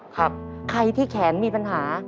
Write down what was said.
ใครที่แขนมีปัญหา